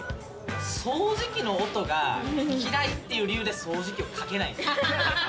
掃除機の音がきらいっていう理由で掃除機をかけないんですよ。